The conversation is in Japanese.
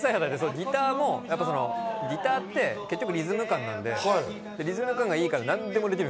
ギターもギターってリズム感なんで、リズム感がいいから何でもできる。